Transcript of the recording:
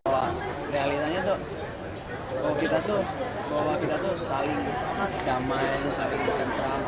bahwa realitanya itu bahwa kita itu saling damai saling keteram